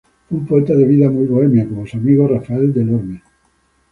Fue un poeta de vida muy bohemia, como su amigo Rafael Delorme.